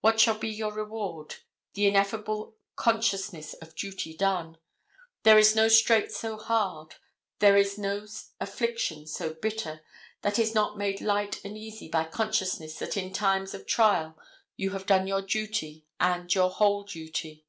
What shall be your reward? The ineffable consciousness of duty done. There is no strait so hard, there is no affliction so bitter, that it is not made light and easy by the consciousness that in times of trial you have done your duty and your whole duty.